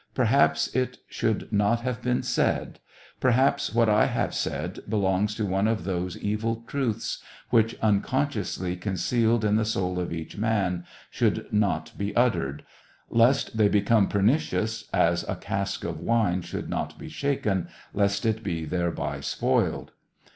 Perhaps it should not have been said ; perhaps what I have said belongs to one of those evil truths which, unconsciously concealed in the soul of each man, should not be uttered, lest they become pernicious, as a cask of wine should not be shaken, lest it be thereby spoiled.